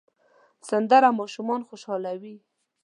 سندره ماشومان خوشحالوي